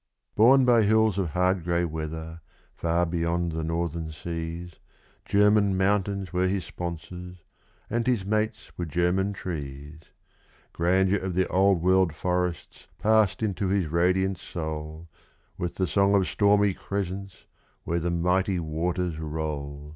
Born by hills of hard grey weather, far beyond the northern seas, German mountains were his sponsors, and his mates were German trees; Grandeur of the old world forests passed into his radiant soul, With the song of stormy crescents where the mighty waters roll.